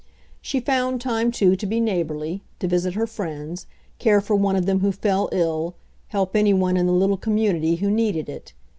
She found time, too, to be neighborly, to visit her friends, care for one of them who fell ill, help any one in the little community who needed it.